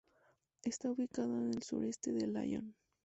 Está ubicada en el suroeste de Lyon.